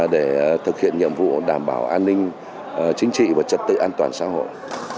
để thực hiện nhiệm vụ đảm bảo an ninh chính trị và trật tự an toàn xã hội